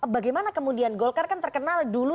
bagaimana kemudian golkar kan terkenal dulu